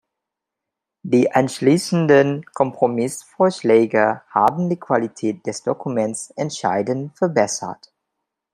Die anschließenden Kompromissvorschläge haben die Qualität des Dokuments entscheidend verbessert.